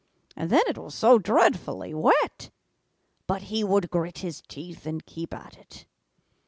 And then it was so dreadfully wet! But he would grit his teeth and keep at it.